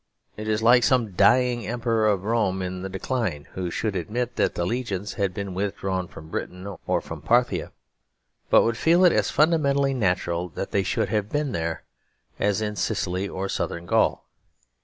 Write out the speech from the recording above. It is like some dying Emperor of Rome in the decline; who should admit that the legions had been withdrawn from Britain or from Parthia, but would feel it as fundamentally natural that they should have been there, as in Sicily or Southern Gaul.